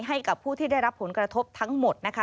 ให้กับผู้ที่ได้รับผลกระทบทั้งหมดนะคะ